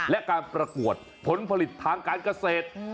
และการประกวดผลผลิตทางการเกษตร